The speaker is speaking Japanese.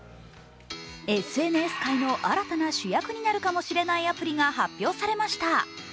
ＳＮＳ界の新たな主役になるかもしれないアプリが発表されました。